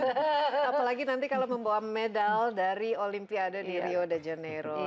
apalagi nanti kalau membawa medal dari olimpiade di rio de janeiro